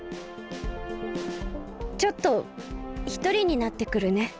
ちょっとひとりになってくるね。